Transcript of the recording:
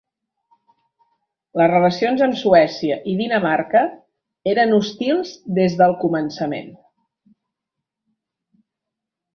Les relacions amb Suècia i Dinamarca eren hostils des del començament.